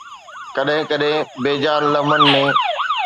ڪڏهن ڪڏهن بي جان لمحن ۾